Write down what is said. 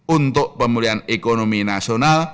untuk pemulihan ekonomi nasional